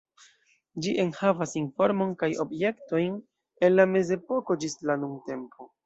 Ĝi enhavas informon kaj objektojn el la Mezepoko ĝis la nuntempo.